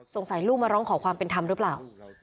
ลูกมาร้องขอความเป็นธรรมหรือเปล่า